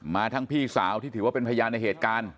มาทั้งพี่สาวที่ถือว่าเป็นพยานในเหตุการณ์